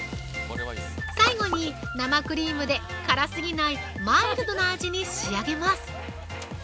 最後に生クリームで、辛すぎないマイルドな味に仕上げます。